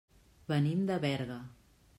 Venim de Berga.